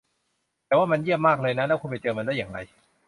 แต่ว่ามันเยี่ยมมากเลยนะ แล้วคุณไปเจอมันได้อย่างไร